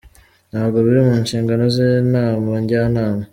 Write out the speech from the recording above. Ntabwo biri mu nshingano z’Inama Njyanama.